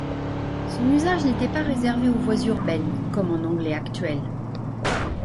Son usage n'était pas réservé aux voies urbaines comme en anglais actuel.